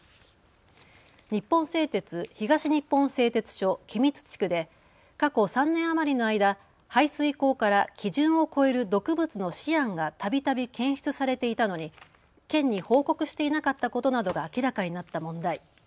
日本製鉄東日本製鉄所君津地区で過去３年余りの間、排水口から基準を超える毒物のシアンがたびたび検出されていたのに県に報告していなかったことなどが明らかになった問題。